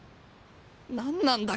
何なんだ？